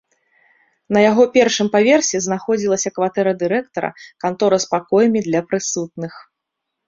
На яго першым паверсе знаходзілася кватэра дырэктара, кантора з пакоямі для прысутных.